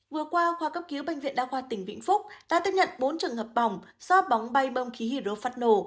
vừa qua khoa cấp cứu bệnh viện đa khoa tỉnh vĩnh phúc đã tiếp nhận bốn trường hợp bỏng do bóng bay bơm khí hydro phát nổ